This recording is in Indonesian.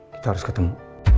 kita harus ketemu